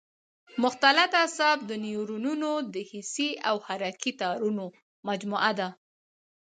مختلط اعصاب د نیورونونو د حسي او حرکي تارونو مجموعه ده.